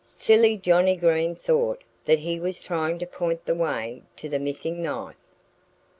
Silly Johnnie Green thought that he was trying to point the way to the missing knife!